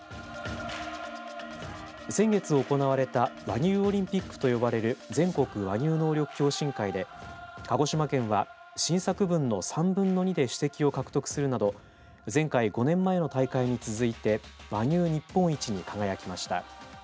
先月行われた和牛オリンピックと呼ばれる全国和牛能力共進会で鹿児島県は、新作分の３分の２で主席を獲得するなど前回５年前の大会に続いて和牛、日本一に輝きました。